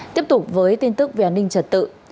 tiếp tục với tin tức về an ninh trật tự